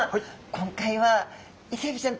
今回はイセエビちゃん